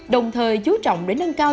đồng thời chú trọng để nâng cao